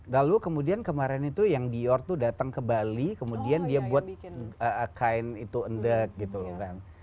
lalu kemudian kemarin itu yang dior tuh datang ke bali kemudian dia buat kain itu endek gitu loh kan